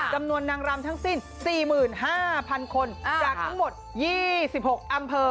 นางรำทั้งสิ้น๔๕๐๐๐คนจากทั้งหมด๒๖อำเภอ